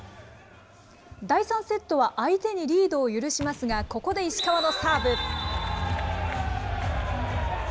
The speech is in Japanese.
第３セットは相手にリードを許しますが、ここで石川のサーブ。